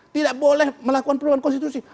tidak boleh melakukan perubahan konstitusi